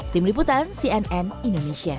tim liputan cnn indonesia